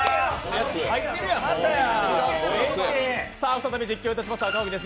再び実況いたします赤荻です。